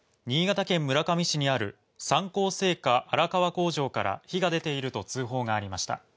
新潟県村上市にある三幸製菓荒川工場から火が出ていると通報がありました。